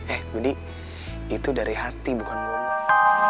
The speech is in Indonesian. eh bundi itu dari hati bukan ngomong